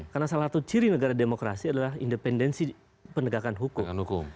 karena salah satu ciri negara demokrasi adalah independensi penegakan hukum